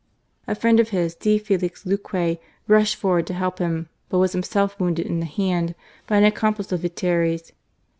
A friend of his, D. Felix Luque, rushed forward to help him, but was himself wounded in the hand by an accomplice of Viteri's.